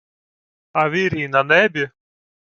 — А вірій на небі?